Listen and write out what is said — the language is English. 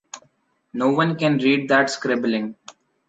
No on can read that scribbling.